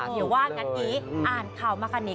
อยู่ว่ากันกันกี้อ่านข่าวมากันไหน